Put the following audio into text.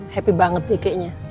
happy banget ya kayaknya